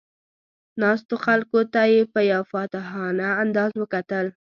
ناستو خلکو ته یې په یو فاتحانه انداز وکتل.